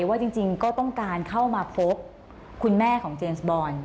ว่าจริงก็ต้องการเข้ามาพบคุณแม่ของเจนส์บอล